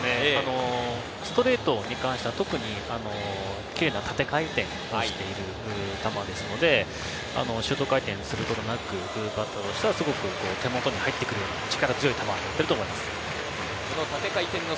ストレートに関しては特にキレイな縦回転をしている球ですので、シュート回転することなく、バッターとしては手元に入ってくる力強い球だと思います。